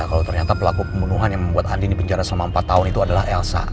kalau ternyata pelaku pembunuhan yang membuat andina selama empat tahun itu adalah elsa